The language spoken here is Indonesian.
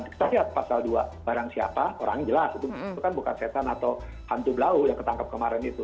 kita lihat pasal dua barang siapa orangnya jelas itu kan bukan setan atau hantu blau yang ketangkep kemarin itu